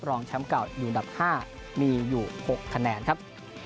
รองแชมป์เก่าอยู่อันดับ๕มีอยู่๖คะแนนครับ